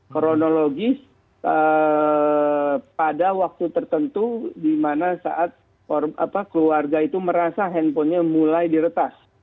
kronologis pada waktu tertentu di mana saat keluarga itu merasa handphonenya mulai diretas